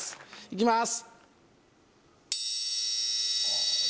行きます！